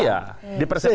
iya di persepsi begitu